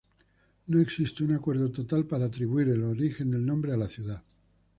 No existe un acuerdo total para atribuir el origen del nombre a la ciudad.